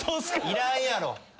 いらんやろ。